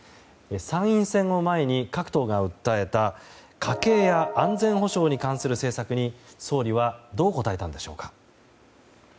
参院選を前に各党が訴えた家計や安全保障に関する政策に総理はどう答えたんでしょうか。